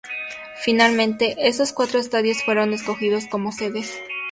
Finalmente, esos cuatro estadios fueron escogidos como sedes.